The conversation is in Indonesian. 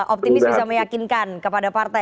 optimis bisa meyakinkan kepada partai